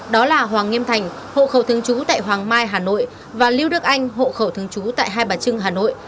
đó là hoàng nghiêm thành hộ khẩu thương chú tại hoàng mai hà nội và liêu đức anh hộ khẩu thương chú tại hai bà trưng hà nội